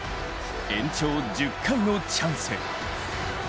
延長１０回のチャンス。